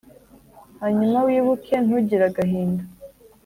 hanyuma, wibuke, ntugire agahinda: